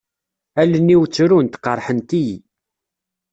Allen-iw ttrunt, qerḥent-iyi.